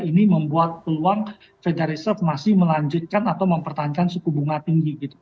ini membuat peluang federal reserve masih melanjutkan atau mempertahankan suku bunga tinggi gitu